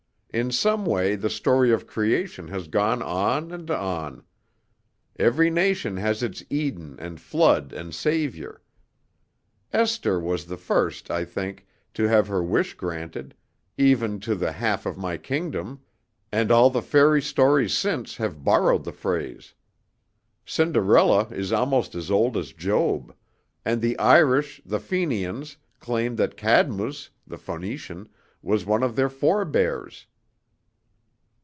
In some way the story of creation has gone on and on. Every nation has its Eden and flood and Saviour. Esther was the first, I think, to have her wish granted 'even to the half of my kingdom,' and all the fairy stories since have borrowed the phrase. Cinderella is almost as old as Job; and the Irish, the Fenians, claim that Cadmus, the Phoenician, was one of their forebears.